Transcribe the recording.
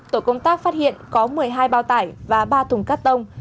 tổ công tác phát hiện có một mươi hai bao tải và ba thùng cắt tông